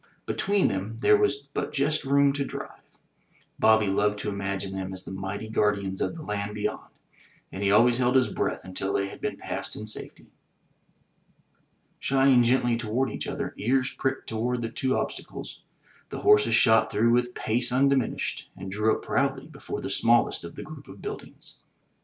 Between them there was but just room to drive. Bobby loved to imagine them as the mighty guardians of the land beyond, and he always held his breath until they had been passed in safety. Shying gently toward each other, ears pricked toward the two obstacles, the horses shot through with pace imdiminished and drew up proudly before the smallest of the group of buildings.